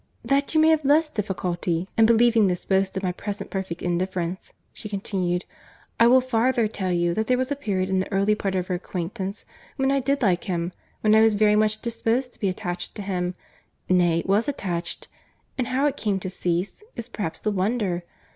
"That you may have less difficulty in believing this boast, of my present perfect indifference," she continued, "I will farther tell you, that there was a period in the early part of our acquaintance, when I did like him, when I was very much disposed to be attached to him—nay, was attached—and how it came to cease, is perhaps the wonder.